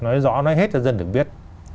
nói rõ nói hết cho dân được biết